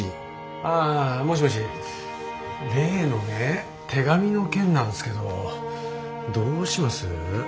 あもしもし例のね手紙の件なんですけどどうします？